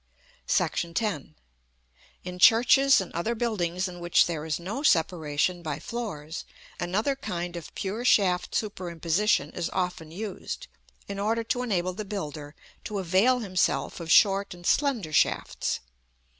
§ X. In churches and other buildings in which there is no separation by floors, another kind of pure shaft superimposition is often used, in order to enable the builder to avail himself of short and slender shafts.